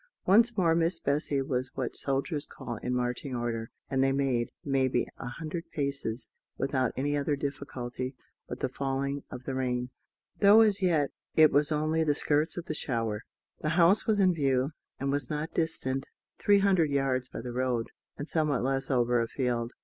Once more Miss Bessy was what soldiers call in marching order, and they made, may be, a hundred paces, without any other difficulty but the falling of the rain, though as yet it was only the skirts of the shower. The house was in view, and was not distant three hundred yards by the road, and somewhat less over a field.